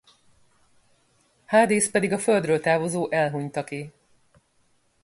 Hadész pedig a Földről távozó elhunytaké.